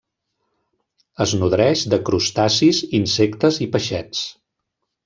Es nodreix de crustacis, insectes i peixets.